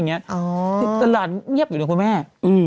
แต่ตลาดเงียบอยู่ด้วยคุณแม่